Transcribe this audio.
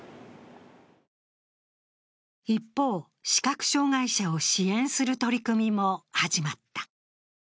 一方、視覚障害者を支援する取り組みも始まった。